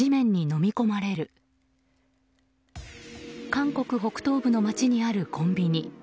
韓国北東部の街にあるコンビニ。